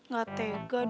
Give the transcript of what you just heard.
gak tega deh